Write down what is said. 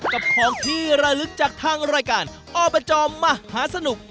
กับของที่ระลึกจากทางรายการอบจมหาสนุก